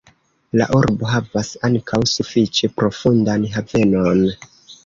La urbo havas ankaŭ sufiĉe profundan havenon.